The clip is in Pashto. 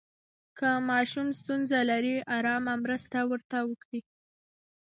که ماشوم ستونزه لري، آرامه مرسته ورته وکړئ.